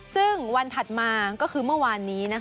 ซึ่งวันถัดมาก็คือเมื่อวานนี้